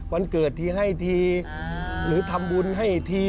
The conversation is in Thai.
วันเกิดทีให้ทีหรือทำบุญให้ที